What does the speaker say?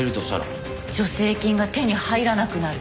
助成金が手に入らなくなる。